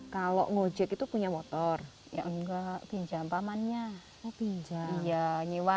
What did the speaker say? kepada suaminya kebetulan dia bisa mencari tempat untuk berjalan